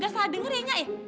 agak salah denger ya nya